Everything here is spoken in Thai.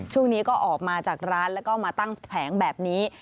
ช่วงนี้ก็ออกมาจากร้านแล้วก็มาตั้งแผงแบบนี้